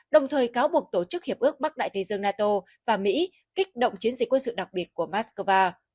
đồng thời cáo buộc tổ chức hiệp ước bắc đại tây dương nato và mỹ kích động chiến dịch quân sự đặc biệt của moscow